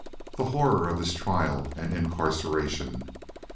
The horror of his trial and incarceration.